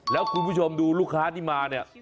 แล้วคุณผู้ชมดูลูกค้าที่มาเนี่ย